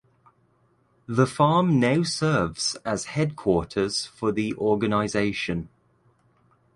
The farm now serves as headquarters for the organization.